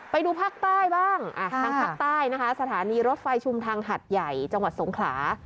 ไปดูภาคใต้บ้างทางภาคใต้นะคะสถานีรถไฟชุมทางหัดใหญ่จังหวัดสงขลา